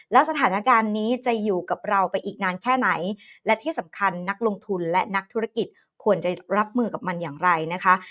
แล้วสถานการณ์นี้จะอยู่กับเราไปอีกนานแค่ไหนและที่สำคัญนักลงทุนและนักธุรกิจควรจะรับมือกับมันอย่างไรนะคะ